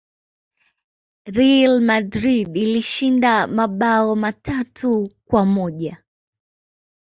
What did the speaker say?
real madrid ilishinda mabao matatu kwa moja